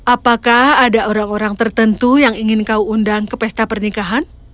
apakah ada orang orang tertentu yang ingin kau undang ke pesta pernikahan